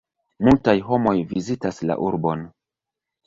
Multaj homoj vizitas la urbon.